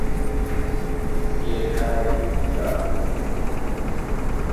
ইয়ে হ্যায় ইন্ডিয়া!